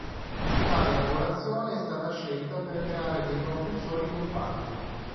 Tale angolazione è stata scelta per creare dei propulsori compatti.